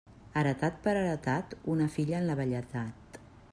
Heretat per heretat, una filla en la velledat.